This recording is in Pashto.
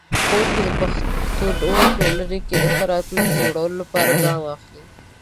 ښوونکی د پښتنو ټولنې کې د ښه راتلونکي جوړولو لپاره ګام اخلي.